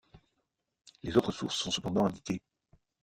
Les autres sources sont cependant indiquées.